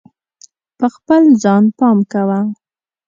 په خپل ځان پام کوه.